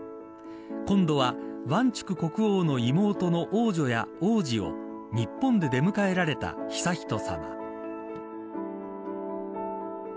今度はワンチュク国王の妹の王女や王子を、日本で出迎えられた悠仁さま。